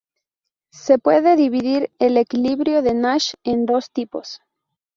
Se puede dividir el equilibrio de Nash en dos tipos.